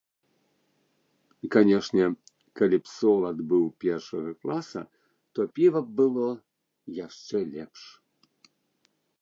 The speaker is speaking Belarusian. Канешне, калі б солад быў першага класа, то піва б было яшчэ лепш.